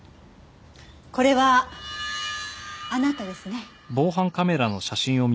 これはあなたですね？